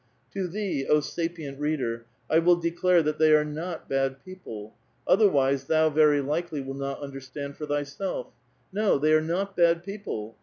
To thee, O sapient reader, I will declare that they are not bad people ; otherwise, thou very likely wilt not understand for thyself. No, they are not bad people.